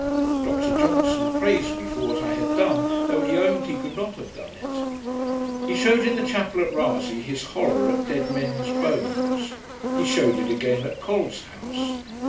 Dr Johnson praised me for what I had done, though he owned, he could not have done it. He shewed in the chapel at Rasay his horrour at dead men's bones. He shewed it again at Col's house.